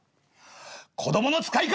子どもの使いか！